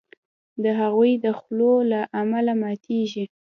د هغوی د خولو له امله ماتیږي.